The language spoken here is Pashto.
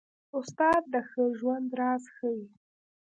استاد د ښه ژوند راز ښيي.